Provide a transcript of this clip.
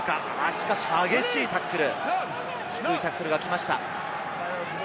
しかし激しいタックル、低いタックルが来ました。